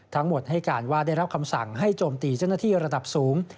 ทั้งหมดให้การว่าได้รับคำสั่งให้โจมตีเจ้าหน้าที่ระดับสูง